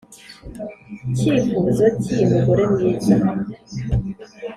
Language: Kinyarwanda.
cyifuzo ki mugore mwiza?"